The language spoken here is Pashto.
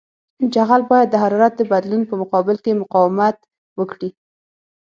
جغل باید د حرارت د بدلون په مقابل کې مقاومت وکړي